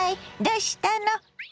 どうしたの？